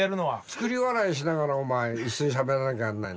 作り笑いしながらお前一緒にしゃべらなきゃなんないんだろ。